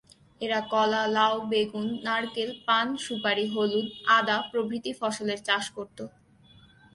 এরা কলা, লাউ, বেগুন, নারকেল, পান, সুপারি, হলুদ, আদা প্রভৃতি ফসলের চাষ করত।